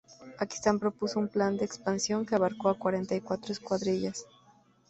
Pakistán propuso un plan de expansión que abarcó a cuarenta y cuatro escuadrillas.